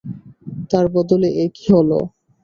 তার বদলে এ কী হইল?